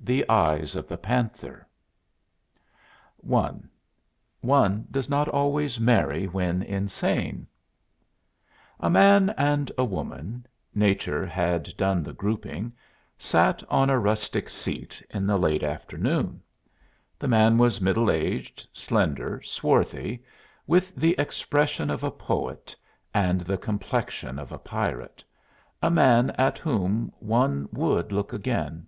THE EYES OF THE PANTHER I ONE DOES NOT ALWAYS MARRY WHEN INSANE A man and a woman nature had done the grouping sat on a rustic seat, in the late afternoon. The man was middle aged, slender, swarthy, with the expression of a poet and the complexion of a pirate a man at whom one would look again.